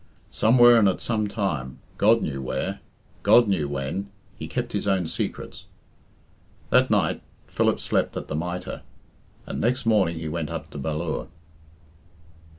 Somewhere and at some time God knew where God knew when He kept his own secrets. That night Philip slept at the "Mitre," and next morning he went up to Ballure. IV.